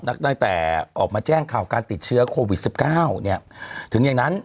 ตั้งแต่ออกมาแจ้งข่าวการติดเชื้อโควิดสิบเก้าเนี่ยถึงอย่างนั้น